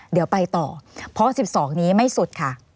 เดี๋ยวไปต่อเพราะ๑๒นี้ไม่สุดค่ะ